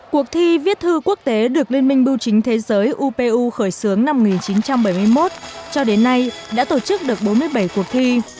cuộc thi viết thư quốc tế được liên minh bưu chính thế giới upu khởi xướng năm một nghìn chín trăm bảy mươi một cho đến nay đã tổ chức được bốn mươi bảy cuộc thi